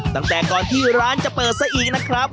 ตั้งแต่ก่อนที่ร้านจะเปิดซะอีกนะครับ